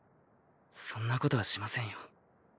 そんなことはしませんよ。